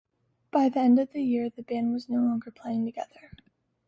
By the end of the year the band was no longer playing together.